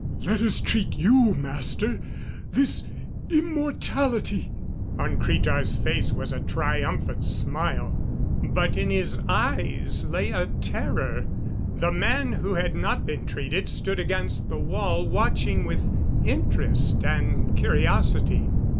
"Let us treat you, Master. This immortality " On Cretar's face was a triumphant smile, but in his eyes lay a terror. The man who had not been treated stood against the wall watching with interest and curiosity.